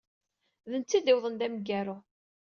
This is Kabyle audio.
D netta ay d-yuwḍen d ameggaru.